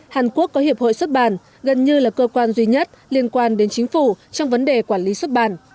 hàn quốc có hiệp hội xuất bản gần như là cơ quan duy nhất liên quan đến chính phủ trong vấn đề quản lý xuất bản